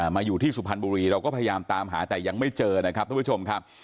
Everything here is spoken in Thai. มาอยู่ที่สุพรรณบุรีเราก็พยายามตามหาแต่ยังไม่เจอนะครับทุกผู้ชมครับ